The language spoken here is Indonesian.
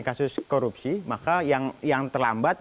kasus korupsi maka yang terlambat